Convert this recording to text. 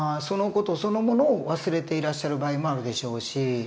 その事そのものを忘れていらっしゃる場合もあるでしょうし。